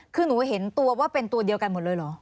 คือหนูเห็นตัวว่าเป็นตัวเดียวกันหมดเลยเหรอ